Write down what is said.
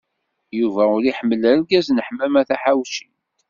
Yuba ur iḥemmel argaz n Ḥemmama Taḥawcint.